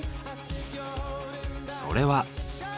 それは。